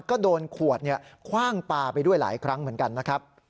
ก็โดนขวดคว่างปลาไปด้วยหลายครั้งเหมือนกันนะครับ